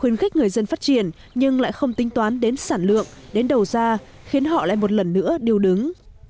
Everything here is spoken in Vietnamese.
khuyến khích người dân phát triển nhưng lại không tính toán đến sản lượng đến đầu ra khiến họ lại một lần nữa điều đứng